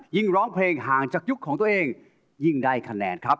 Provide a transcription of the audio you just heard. ร้องเพลงห่างจากยุคของตัวเองยิ่งได้คะแนนครับ